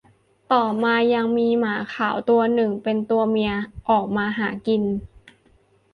ต่อมายังมีหมาขาวตัวหนึ่งเป็นตัวเมียออกมาหากิน